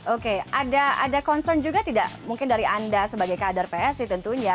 oke ada concern juga tidak mungkin dari anda sebagai kader psi tentunya